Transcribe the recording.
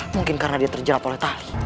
mungkin karena dia terjerat oleh tali